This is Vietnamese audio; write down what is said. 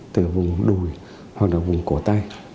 từ vùng đùi hoặc là vùng cổ tay